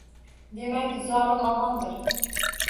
Demak, zolim omondir.